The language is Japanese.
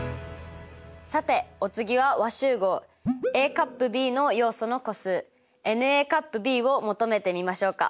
さてお次は和集合Ａ∪Ｂの要素の個数ｎを求めてみましょうか。